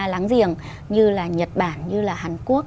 láng giềng như là nhật bản như là hàn quốc